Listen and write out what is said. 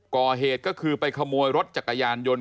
ก่อเหตุก็คือไปขโมยรถจักรยานยนต์